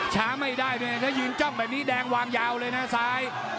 ช้าไม่ได้ด้วยนะถ้ายืนจ้องแบบนี้แดงวางยาวเลยนะซ้าย